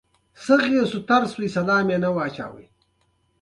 بیا هغه لوی مرګ راسي